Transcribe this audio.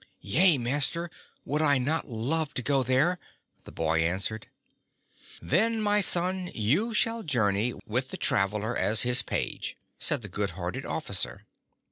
"Yea, master, would I not love to go there!" the boy an swered.. "Then, my son, you shall journey with the traveller as his page," said the good hearted officer.